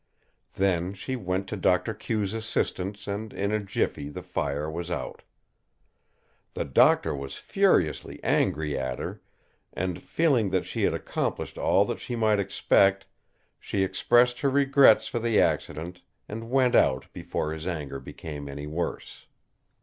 Then she went to Doctor Q's assistance and in a jiffy the fire was out. The doctor was furiously angry at her, and, feeling that she had accomplished all that she might expect, she expressed her regrets for the accident and went out before his anger became any worse.